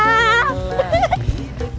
tular di deketin aku